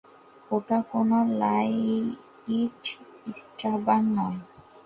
ওটা কোনো লাইটস্ট্যাবার নয়।